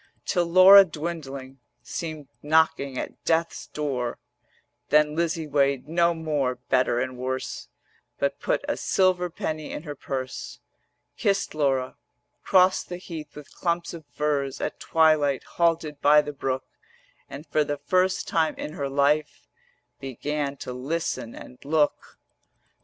Till Laura dwindling 320 Seemed knocking at Death's door: Then Lizzie weighed no more Better and worse; But put a silver penny in her purse, Kissed Laura, crossed the heath with clumps of furze At twilight, halted by the brook: And for the first time in her life Began to listen and look.